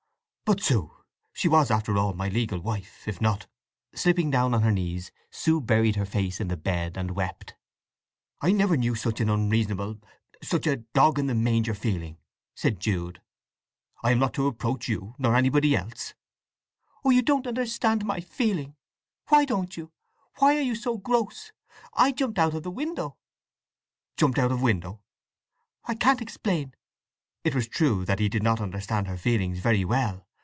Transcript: "But Sue, she was, after all, my legal wife, if not—" Slipping down on her knees Sue buried her face in the bed and wept. "I never knew such an unreasonable—such a dog in the manger feeling," said Jude. "I am not to approach you, nor anybody else!" "Oh don't you understand my feeling? Why don't you? Why are you so gross? I jumped out of the window?" "Jumped out of window?" "I can't explain!" It was true that he did not understand her feelings very well.